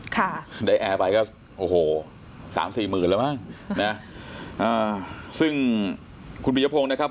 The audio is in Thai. ค่ะได้แอร์ไปก็โอ้โหสามสี่หมื่นแล้วมั้งนะอ่าซึ่งคุณปียพงศ์นะครับ